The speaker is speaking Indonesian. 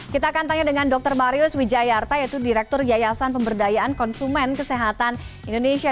kita akan tanya dengan dr marius wijayarta yaitu direktur yayasan pemberdayaan konsumen kesehatan indonesia